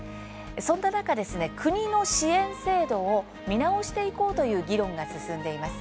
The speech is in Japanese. そんな中、国の支援制度を見直していこうという議論が進んでいます。